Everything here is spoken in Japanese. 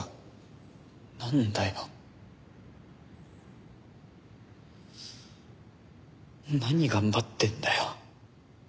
なんだよ。何頑張ってんだよ。